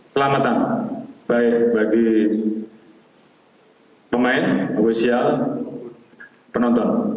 selamatan baik bagi pemain ofisial penonton